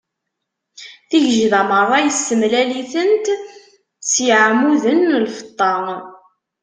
Tigejda meṛṛa yessemlal-itent s yeɛmuden n lfeṭṭa.